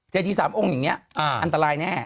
เจดี๓องค์อย่างนี้อันตรายแน่